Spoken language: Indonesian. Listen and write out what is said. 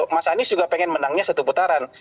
mas anies juga pengen menangnya satu putaran